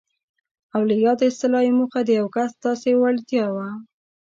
او له یادې اصطلاح یې موخه د یو کس داسې وړتیا وه.